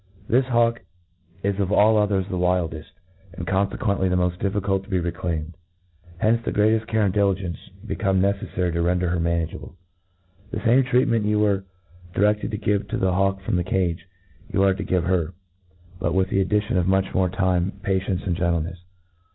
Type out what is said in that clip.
THIS hawk is of all others the wildeft^ and confcquently the moft difficult to be re claimed. Hence the greateft care and diligence become neccflary to render her manageable* The MODERN FAULCONRY. 229 The fame treatment you 1«rcre dircftcd to give ^o the hawk from the cage, are you to give her, but with the addition of much more time, pa? tiencc^ and gentlcncfs.